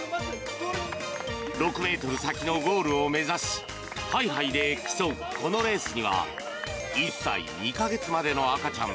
６ｍ先のゴールを目指しハイハイで競うこのレースには１歳２か月までの赤ちゃん